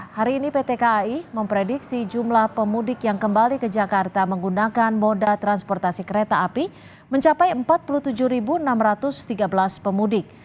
hari ini pt kai memprediksi jumlah pemudik yang kembali ke jakarta menggunakan moda transportasi kereta api mencapai empat puluh tujuh enam ratus tiga belas pemudik